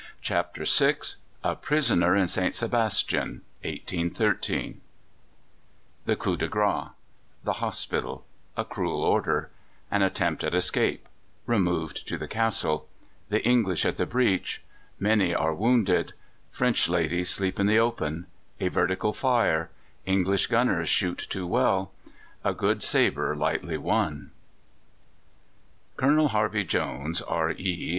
CHAPTER VI A PRISONER IN ST. SEBASTIAN (1813) The coup de grâce The hospital A cruel order An attempt at escape Removed to the castle The English at the breach Many are wounded French ladies sleep in the open A vertical fire English gunners shoot too well A good sabre lightly won. Colonel Harvey Jones, R.E.